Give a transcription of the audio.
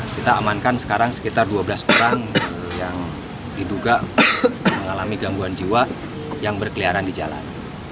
kita amankan sekarang sekitar dua belas orang yang diduga mengalami gangguan jiwa yang berkeliaran di jalan